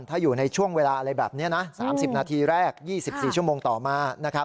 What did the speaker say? ถ้าอยู่ในช่วงเวลาอะไรแบบนี้นะ๓๐นาทีแรก๒๔ชั่วโมงต่อมานะครับ